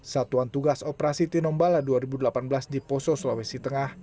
satuan tugas operasi tinombala dua ribu delapan belas di poso sulawesi tengah